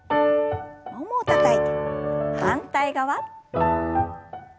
ももをたたいて反対側。